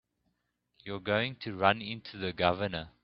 You're going to run into the Governor.